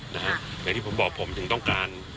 อย่างที่ผมบอกผมถึงต้องการ